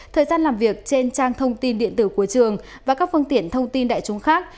thời gian làm việc trên trang thông tin điện tử của trường và các phương tiện thông tin đại chúng khác